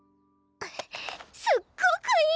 すっごくいい！